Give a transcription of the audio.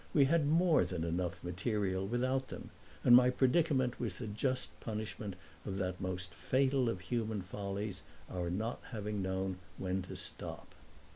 We had more than enough material without them, and my predicament was the just punishment of that most fatal of human follies, our not having known when to stop.